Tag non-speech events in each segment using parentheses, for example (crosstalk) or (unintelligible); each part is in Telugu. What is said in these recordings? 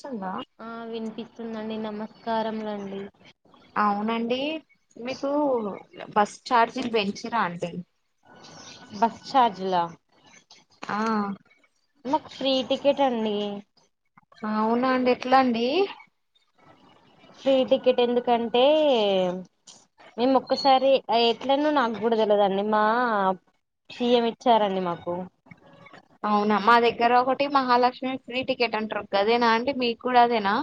నిజంగా ఆ వినిపిస్తుందండి నమస్కారం లు అండి అవునండి మీకు బస్ చార్జిలు పెంచిరా అంటీ బస్ చార్జ్ లా ఆ ఫ్రీ టికెట్ అండీ అవునా అండి ఎట్లా అండీ ఫ్రీ టికెట్ ఎందుకంటే మేము ఒక్కసారి ఎట్లనో నాకు కూడా తెలవదండి మా సీఎం ఇచ్చారండి మాకు ఓ అవునా మా దగ్గర ఒకటి మహాలక్ష్మి ఫ్రీ టికెట్ అంటారు కదేనా అంటే మీకు కూడా అదేనా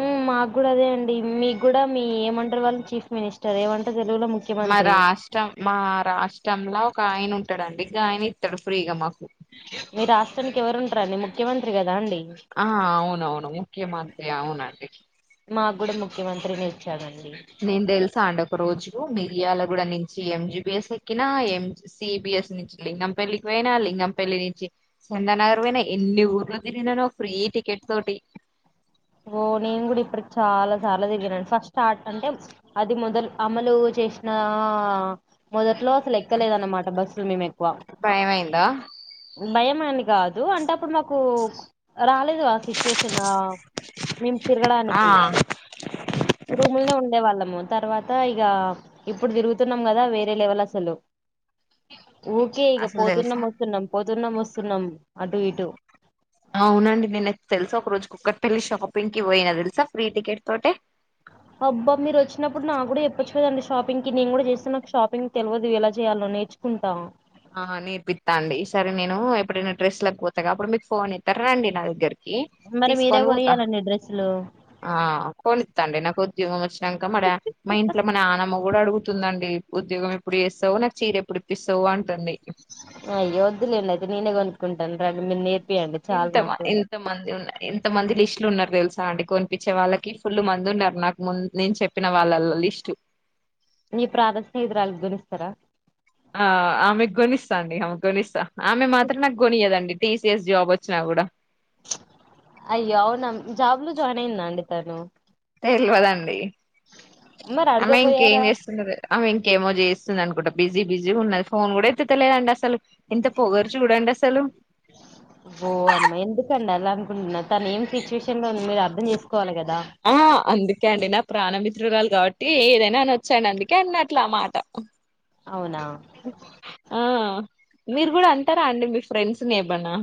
ఉ మాకు కూడా అదే అండి మీకు కూడా మీ ఏమంటారు వాళ్ళు చీఫ్ మినిస్టర్ ఏమంటారు తెలుగులో మా ముఖ్యమంత్రి రాష్ట్రం మా రాష్ట్రంలో ఒక ఆయన ఉంటాడండి ఆయన ఇస్తాడు ఫ్రీగా మాకు ఓ మీ రాష్ట్రానికి ఎవరు ఉంటార అండి ముఖ్యమంత్రి కదా అండి ఆ అవునవును ముఖ్యమంత్రి అవునండి మాకు కూడా ముఖ్యమంత్రిని ఇచ్చాడండి నేను తెలుస అండు ఒక రోజు మీరియాల గూడా నుంచి ఎంజిబిఎస్ ఎక్కిన, ఎం జి సిబిఎస్ నుంచి లింగం పెల్లి కి పోయినా లింగంపల్లి నుంచి చందనగర్ పోయినా ఎన్ని ఊర్లు తిరిగిననో ఫ్రీ టికెట్ తోటి ఓ నేను కూడా ఇప్పుడు చాలా సార్లు తిరిగినను ఫస్ట్ స్టార్ట్ అంటే అది మొదలు అమలు చేసిన మొదట్లో బస్లు ఎక్కలేదనమాట బస్సులు మేము ఎక్కువ భయమైందా భయమని కాదు అంటే అప్పుడు మాకు రాలేదు ఆ సిచ్యువేషన్ మేము ఆ తిరగడానికి రూములనే ఉండే వాళ్ళము తర్వాత ఇక ఇప్పుడు తిరుగుతున్నాం కదా వేరే లెవల్ అసలు ఊకే ఇక అసలు తెలుసా పోతున్నాం వస్తున్నాం పోతున్నాం వస్తున్నాం అటు ఇటు అవునండి నేను తెలుసా ఒక రోజు కుక్కటి పెళ్లి షాపింగ్ కి పోయినా తెలుసా ఫ్రీ టికెట్ తోటే అబ్బా మీరు వచ్చినప్పుడు నా కూడా చెప్పచ్చు కదండి షాపింగ్కి నేను కూడా చేస్తే నాకు షాపింగ్ తెలియదు ఎలా చేయాలో నేర్చ్ కుంటాం ఆ నేర్పిత్త అండి సరే నేను ఎప్పుడైనా డ్రెస్ లకు పోతాగా అప్పుడు మీకు ఫోన్ చేస్తా రాండి నా దగ్గరికి మరి మీరే తీసుకొని పోతా కొనియ్యాలండి డ్రెస్సులు ఆ కొనిస్తండి నాకు ఉద్యోగం వచ్చినాక మరి మా ఇంట్లో మన ఆనమ్మ కూడా అడుగుతుందండి ఉద్యోగం ఎప్పుడు చేస్తావు నాకు చీర ఎప్పుడు ఇప్పిస్తావు అంటే అయ్య వద్దులేండి ఆయితే నేనే కొనుకుంటాను మీరు నేర్పి ఇంత ఇంత మంది ఉన్నాయి ఎంత మంది లిస్టులు ఉన్నారు. తెలుసా అండి కొనిపించే వాళ్ళకి ఫుల్ మంది ఉన్నారు. నాకు ముందు నేను చెప్పిన వాళ్ళ లిస్టు నీ ప్రానా స్నేహితురాలికి కొనిస్తారా ఆ ఆమె గోనిస్తా అండి ఆమెకు గోనిస్తా ఆమె మాత్రం నాకు కొనియదండి. టీసిఎస్ జాబ్ వచ్చినా కూడా అయ్యో అవునా జాబ్ల జాయిన్ అయింద అండి తను తెలవదండి మరి అమే ఇంకేం అడగపోయారా చేస్తుండది అమే ఇంకేమో చేస్తు వస్తుంది అనుకుంటా బిజీ బిజీ గా ఉంది ఫోన్ కూడా ఎత్తలేదండి అసలు ఎంత పొగరు చూడండి. అసలు హ్ తను ఏ సిచ్యుషన్ లో మీరు ఆర్థం చేసుకోవాలి కదా ఆ అందుకే అండి నా ప్రాణమిత్రృరాలు కాబట్టి ఏదైనా అనాచ్చండి అందుకే అట్లా అన్న మాట అవునా ఆ మీరు కూడా అంటారా అండి మీ ఫ్రెండ్స్ ని ఏమన్నా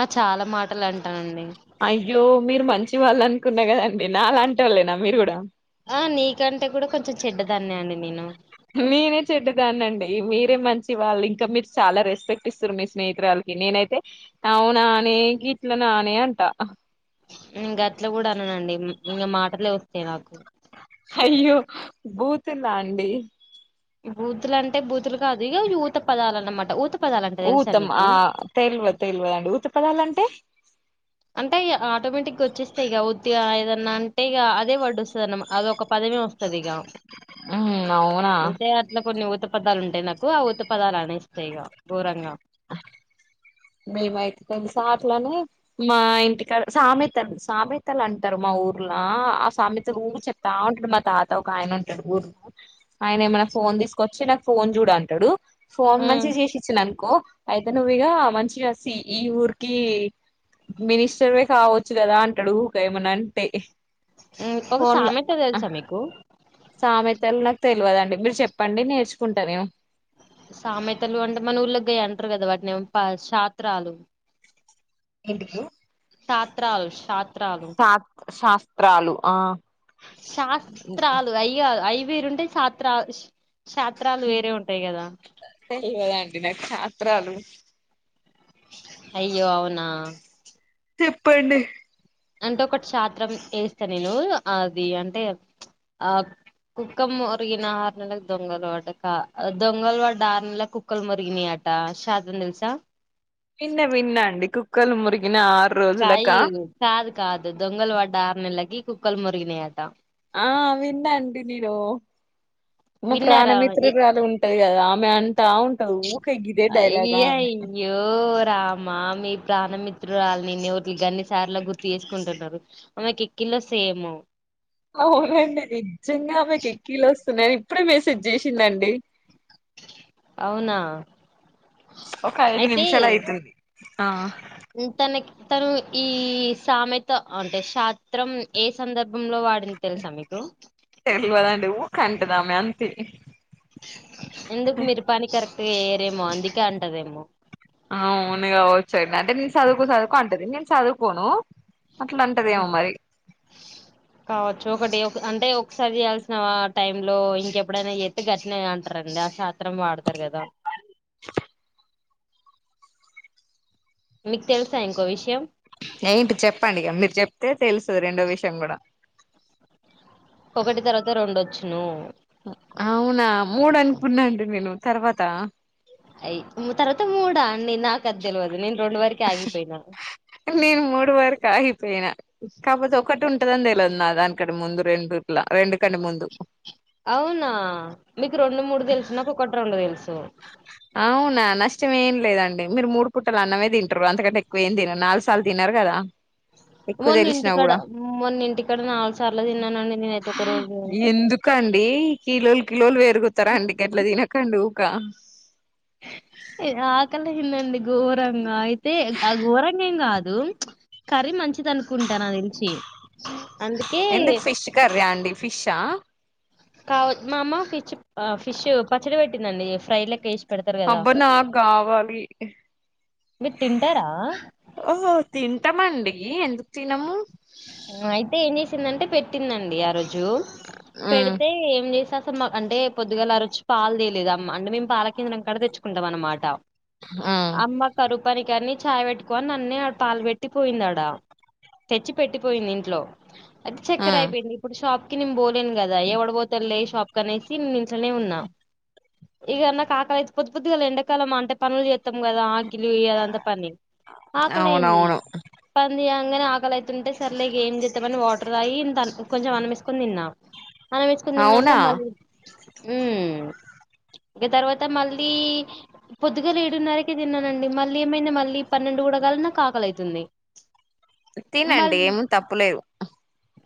ఆ చాలా మాటలు అంటానండి అయ్యో మీరు మంచి వాళ్ళు అనుకున్న కదండి నాలాంటోళ్ళేనా మీరు కూడా ఆ నీకంటే కూడా కొంచెం చెడ్డదన్న అండి నేను నేనే చెడ్డదాన్నండి మీరే మంచి వాళ్ళు ఇంకా మీరు చాలా రెస్పెక్ట్ ఇస్తారు. మీ స్నేహితురాలు నేనైతే ఆవునానే గీట్లనే అంట నేను గాట్లా కూడా అననండి ఇంకా మాటలే వస్తాయి. నాకు అయ్యో బూతుల అండి బూతులు అంటే బూతులు కాదు ఇగా ఊత పదాలు అన్నమాట ఊత పదాలు అంటే తెలుసా ఊతం నీకు ఆ తెలువది తెలువది అండి ఊత పదాలు అంటే అంటే ఇగా ఆటోమేటిక్ గా వచ్చేస్తయి ఇగా ఉత్తగా ఏదన్నా అంటే ఇక అదే వడ్ వస్తుదన్న మటా అదోక పదమే వస్తది ఇగా మ్ అవునా అంటే అట్లా కొన్ని ఉత పదాలు ఉంటాయి నాకు ఆ ఉత పదాలు అనే ఏస్తా ఇగా గోరంగా మేమైతే తెలుసా అట్లనే మా ఇంటికాడ సామెతలు సామెతలు అంటారు. మా ఊర్ల ఆ సమేతలు ఊకె చెప్తా ఉంటాడు మా తాత ఒక ఆయన ఉంటాడు ఊర్లో ఆయన ఏమైనా ఫోన్ తీసుకొచ్చి నాకు ఫోన్ చూడ అంటాడు. ఫోన్ మంచి ఉమ్ చేసి ఇచ్చిన అనుకో అయితే నువ్వు ఇగా మంచి సి ఈ ఊర్కి మినిస్టర్వే కావచ్చు కదా అంటాడు ఊకే ఏమన్న అంటే ఒక ఫోన్లో సామెత తెలుసా మీకు సామెతలు నాకు తెలువదండి మీరు చెప్పండి నేర్చుకుంటా నేను సామెతలు అంటే మన ఊళ్ళ గాయి అంటారు గాదా వాటిని షాత్రాలు ఎంటిది శత్రాలు శ శా శాస్త్రాలు ఆ శాస్త్రాలు అయ్యా అయ వేరు ఉంటే శాస్త్రా శాత్రాలు వేరే ఉంటాయి కదా త్రలు అయ్యో అవునా చెప్పండి అంటే ఒకటి చాత్రం వేస్తా నేను అది అంటే ఆ కుక్కం మురుగినని ఆహర్ నెల దొంగల్ వాటక (unintelligible) దొంగల్ వాట ఆహ నెల కుక్కల్ మురుగని ఆట ట శాత్రం తెలుసా విన్న విన్న అండి కుక్కలు మురిగ కాయ కాదు కాదు దొంగలు పడ్డ ఆరు నెల్లకి కుక్కలు మోరిగినయట ఆ విన్నా అండి నేను అమ్మ విన్నారా ప్రాణమిత్రురాలు ఉంటది కదా ఆమె అంటా ఉంటది ఊక గిదే డైలాగ ఆమె మ్మా మీ ప్రాణమిత్రురాళని ఇన్ని ర్లు అన్ని సార్లు గుర్తు చేసుకుంటున్నారు ఆమెకు ఎక్ (unintelligible) సేము అవునండి నిజంగా ఆమెకు ఎక్కిీలు వస్తున్నాయని ఇప్పుడే మేసెజ్ చేసిందండి అవునా ఒక ఐదు అయితే నిమిషాలు అయితధి ఆ తనకి తను ఈ సామెత అంటే శాత్రం ఏ సందర్భంలో వాడు తెలుసా మీకు కంటది ఆమె అంతే ఎందుకు మీరు పని కరెక్ట్గా చేయరేమో అందుకే అంటదేమో వునుగావచ్చయిడి అదే (unintelligible) చదువుకో చదువుకో అంటది నేను చదువుకోను అట్లా ఉమ్, అంటదేమో మరి కావచ్చు ఒకటి అంటే ఒకసారి చేయాల్సిన టైమ్ లో ఇంకెప్పుడైనా ఎత్తి గట్టిన అంటారండి ఆ శాత్రం వాడతారు కదా మీకు తెలుసా ఇంకో విషయం ఏంటి చెప్పండి ఇగ మీరు చెప్తే తెలుస్తది రెండో విషయం కూడా ఒకటి తర్వాత రెండొచ్చును కున్నాండి నేను తర్వాత అయి తర్వాత మూడా అండి నాకు అది తెలవదు నేను రెండు వరకి ఆగిపోయినాను నేను మూడు వరకు ఆగిపోయినా కాపోతే ఒ ఒకటి ఉంటందని తెలవదు నా దానికంట ముందు రెండు ఇట్లా రెండు కంటే ముందు అవునా మీకు రెండు మూడు తెలుసు నాకు ఒకటి రెండు తెలుసు అవునా నష్టం ఏం లేదండి మీరు మూడు పుటలు అన్నమే తింటారు అంతకంటే ఎక్కువ ఏం తినరు నాలుగు సార్లు తినారు కదా ఎక్కువ మొన్న తెలిసినా ఇంటికాడ కూడా మొన్న ఇంటికాడ నాలుగు సార్లు తిన్నానండి నేనయితే ఒక రోజు ఏయ్ కిలోలు కిలోలు పెరుగుతర అండి గట్లా తినకండి ఊకా దండి ఘోరంగా అయితే ఆ ఘోరంగ ఏం కాదు కర్రీ మంచి అనుకుంట నాకు తెలిసి అందుకే ఎందుకు ఫిష్ కర్రీ అండి ఫిషా కావ మా అమ్మ ఫిష్ ఫిష్ పచ్చడి పెట్టిందండి ఫ్రై లెక్క వే అబ్బ నాకు కావాలి మీరు తింటారా ఆహ తింటామండి ఎందుకు తినము అయితే ఏం చేసిందంటే పెట్టిందండి ఆ రోజు ఉమ్ పెడితే ఏం చేసా తున్మాగ్ అంటే పొద్దుగాల ఆ రోజు పాలు తెలేదు అమ్మ అంటే మేము పాల కింద కా (unintelligible) తెచ్చుకుంటాంమనమాట. ఉమ్ అమ్మ కరుగ్ పనికని చాయ్ పెట్టుకో నన్నే పాలు పెట్టి పోయిందడా తెచ్చి పెట్టిపోయింది ఇంట్లో అది చక్కర ఉమ్ అయిపోయింది ఇప్పుడు షాప్కి నేను పోలేను కదా ఎవడు పోతలే షాప్ కనేసి నేన్ ఇంట్లోనే ఉన్నా ఇగ నాకు ఆకలి అయిత్ పొద్దు పొద్దుగాలే ఎండకాలం అంటే పనులు చేత్తం కదా. కిలుపోయి అదంతా పని ఆకలి అయింది అవునవును పనిచేయంగానే ఆకలి అయిత్ తుంటే సర్లే ఇగ ఏం చేస్తామని వాటర్ తాగి ఇంత కొంచెం అన్నంయేస్కోని తిన్నా. అన్నం వేస్కోని తిన్నాక అవునా మళ్ళీ ఊ ఇంక తర్వాత మళ్ళీ పొద్దుగాల ఏడున్నరకె తిన్నానండి మళ్ళీ ఏమైందో మళ్ళీ పన్నెండు గూడకాలే నాకు ఆకలి అవుతుంది. తినండి ఏం తప్పులేదు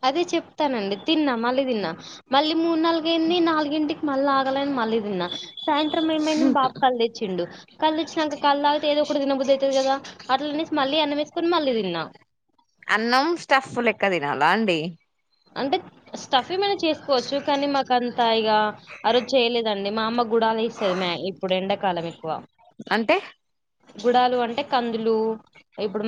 అదే చెప్తానండి తిన్నా మళ్ళీ తిన్నా మళ్ళీ మూడు నాలుగయింది నాలుగింటికి మళ్ళీ ఆకలైయింది మళ్ళీ తిన్నా సాయంత్రం ఏమైయింది పాప్ కల్ తెచ్చిండు. కళళ్లు ఇచ్చినంక కల్ తాగితే ఏదో ఒక టి తిన బుద్ది అవుతది కదా. అట్లా అనేసి మళ్ళీ అన్నం యేస్కోని మళ్ళీ తిన్నా ఇంకా తినాలా అండి అంటే స్టఫ్ ఏమైనా చేసుకోవచ్చు కానీ మాకంతా ఇగ ఆ రోజు చేయలేదండి మా అమ్మ గు కూడలు యేస్తది మ్య ఇప్పుడు ఎండాకాలం ఎక్కువ. అంటే గుడాలు అంటే కందులు ఇప్పుడు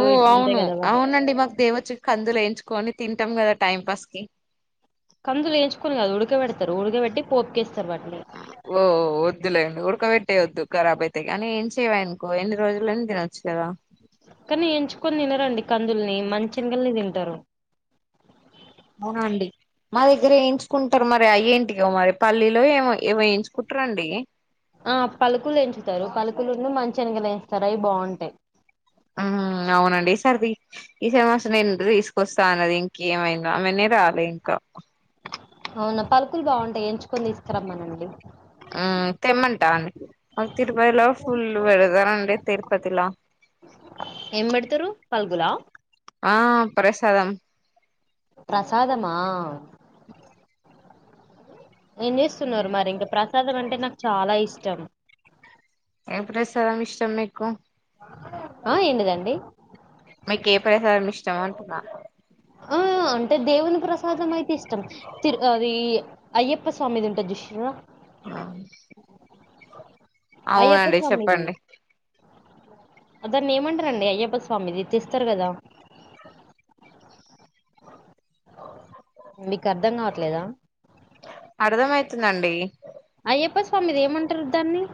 ఓ ఇట్లుంటాయి అవును కదా వాటి- అవునండి మాకు దేవచ్చు కందులు వేయించుకొని తింటాం కదా టైం పాస్కి కందులు వేంచుకొని కాదు ఉడకబెడతారు ఉడకబెట్టి పోపుకేస్త్ వొ వద్దులే ఉడకబెట్టేది వద్దు గారబ్ అయితాయ్ కానీ యెంచినవి అనుకో ఎన్ని రోజులైనా తినొచ్చు కదా. కానీ యేంచుకొని తినరండి కందుల్ని మంచిగల్నే తింటారు. ఉనండి మా దగ్గర యేంచుకుంటారు మరి అయేంటికో మరి పల్లీలో ఏమో ఏమో యేంచుకుంటారండి. ఆ పలుకులు యేంచుతారు పలుకులును మంచి శెనకలు వేంచుతారు అవి బాంటాయ్. ఆ హు అవునండి ఈ సారి తి ఈ సారి మాసంనే తీసుకొస్తా అన్నది ఇంకేమైందో ఆమెనే రాలే ఇంకా. అవునా పలుకులు బాగుంటాయి ఎంచుకొని తీస్కారామనండి. ఆ తెమ్మంటానే అ తిరుపయిలో ఫుల్ పెడతారండి తిరుపతిలా ఏం పెడతారు పల్గులా ఆ ప్రసాదం ప్రసాదమా (inaudible) ఏం చేస్తున్నారు మరి ఇంకా ప్రసాదం అంటే నాకు చాలా ఇష్టం. ఏ ప్రసాదం ఇష్టం మీకు ఆ ఏంటిదండి చమటుంన్న ఆ అంటే దేవుని ప్రసాదం అయితే ఇష్టం తిరు అది అయ్యప్ప స్వామిది ఉంటాది చూసిర్రా అయ్యప్ప అవునండి స్వామిది చెప్పండి అదాన్ని ఏమంటనండి అయ్యప్ప స్వామిది తెస్తారు కదా అ మీకు అర్ధం కావట్లేదా నండి అయ్యప్ప స్వామిది ఏమంటారు దాన్ని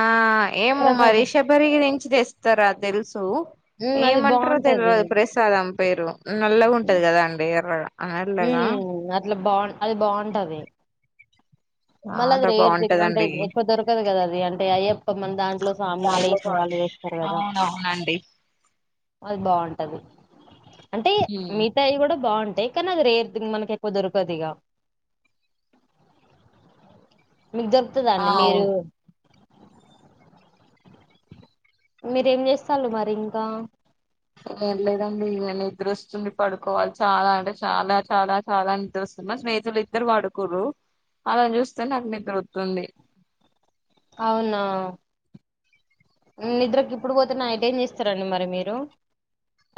ఆ ఏమో మరి ప్రసాదం శబరిరి నుంచి తెస్తారా తెలుసు ఉమ్ అది ఏమంటారో బాగుంటది తెలియదు ప్రసాదం పేరు నల్లగా ఉంటది కదా అండి ఎర్ర ఉ అట్లా బాగు అది బాగుంటది మళ్ళీ అది చాలా రేర్ అంటే బాగుంటదండి ఎక్వ దొరకదు కదా అది అంటే అయ్యప్ప మన దాంట్లో స అమ్మాలు వేసిన వాళ్ళ చేస్తారు కదా అవునండి అది బాగుంటది అంటే మితాయి కూడా బాగుంటుది తే కన్నాది రే మనకి ఎక్కువ దొరకది ఇగా మీకు ఆ దొరుకుతుందండి మీరు అవును మీరేం చేస్తారు మరి ఇంకా ఏం లేదండి ఇ నిద్రస్తుంది పడుకోవాలి చాలా అంటే చాలా చాలా చాలా నిద్రస్తున్నా నా స్నేహితులు ఇద్దరు వాడుకురు అలాని చూస్తే నాకు నిద్ర వతుంది అవునా నిద్రకి ఇప్పుడు పోతే నైట్ ఏం చేస్తారండి మరి మీరు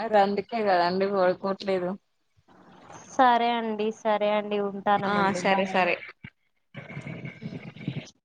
అది అందుకే కదండి పడుకోవట్లేదు సరే అండి సరే అండి అండి ఆ ఉంటానమండి సరే బాయ్ సరే